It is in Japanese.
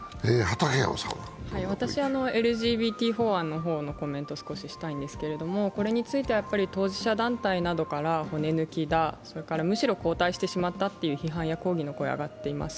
ＬＧＢＴ法案の方のコメントをしたいんですけれどもこれについては当事者団体などから骨抜きだ、むしろ後退してしまったっていう批判や抗議の声が上がっています。